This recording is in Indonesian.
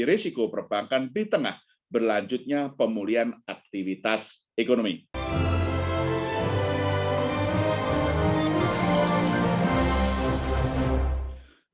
pemerintah di pasar perbankan telah menurun sejumlah empat belas tujuh dan satu ratus enam basis point yang telah menurun